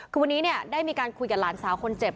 คือวันนี้เนี่ยได้มีการคุยกับหลานสาวคนเจ็บ